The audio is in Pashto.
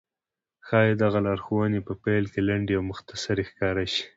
ښايي دغه لارښوونې په پيل کې لنډې او مختصرې ښکاره شي.